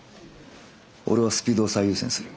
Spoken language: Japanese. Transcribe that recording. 俺はスピードを最優先する。